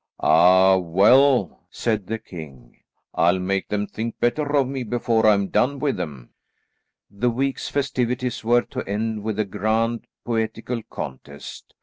"Ah, well," said the king, "I'll make them think better of me before I am done with them." The week's festivities were to end with a grand poetical contest.